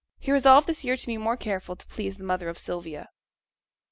He resolved this year to be more careful to please the mother of Sylvia.